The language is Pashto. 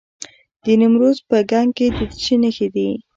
د نیمروز په کنگ کې د څه شي نښې دي؟